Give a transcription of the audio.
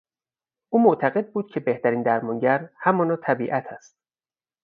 او معتقد بود که بهترین درمانگر همانا طبیعت است.